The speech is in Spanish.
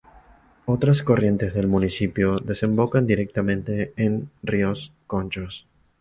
Otras corrientes del municipio desembocan directamente en el río Conchos.